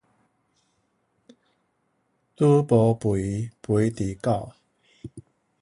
豬無肥，肥佇狗